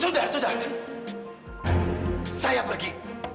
sudah sudah saya pergi